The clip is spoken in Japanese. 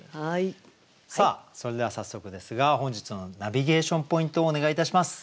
さあそれでは早速ですが本日のナビゲーションポイントをお願いいたします。